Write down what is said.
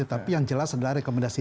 tapi yang jelas adalah rekomendasi